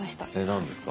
何ですか？